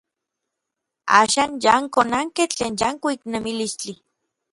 Axan yankonankej tlen yankuik nemilistli.